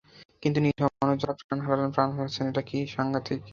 কিন্তু নিরীহ মানুষ যাঁরা প্রাণ হারালেন, প্রাণ হারাচ্ছেন, এটা কিন্তু সাংঘাতিক।